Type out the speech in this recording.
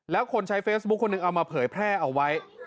แล้วคนใช้เฟซบุ๊คคนหนึ่งเอามาเผยแพร่เอาไว้